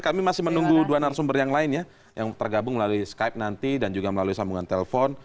kami masih menunggu dua narasumber yang lain ya yang tergabung melalui skype nanti dan juga melalui sambungan telepon